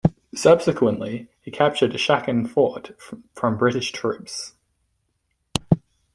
Subsequently, he captured Chakan Fort from British troops.